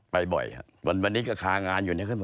ไปบ่อยครับวันวันนี้ก็ค้างานอยู่นี่ข้างบน